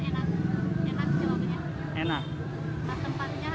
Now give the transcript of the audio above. nah tempatnya ada